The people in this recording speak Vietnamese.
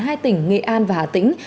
hai tỉnh nghệ an và hà tĩnh